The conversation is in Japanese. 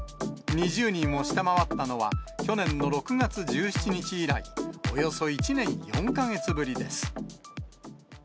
２０人を下回ったのは、去年の６月１７日以来、およそ１年４か月ぶりです。